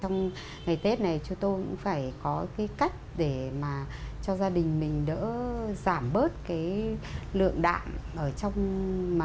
trong ngày tết này chúng tôi cũng phải có cách để cho gia đình mình giảm bớt lượng đạm